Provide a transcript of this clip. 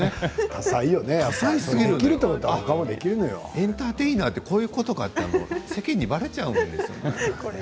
多才すぎるエンターテイナーってこういうことかって世間に、ばれちゃうんですよ。